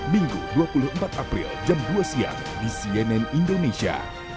minggu dua puluh empat april jam dua siang di cnn indonesia